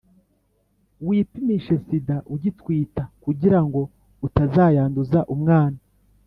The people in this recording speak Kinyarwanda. wipimishe sida ugitwita kugirango utazayanduza umwana